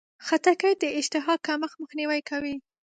خټکی د اشتها کمښت مخنیوی کوي.